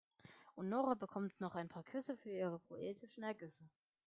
Und Nora bekommt noch ein paar Küsse für ihre poetischen Ergüsse.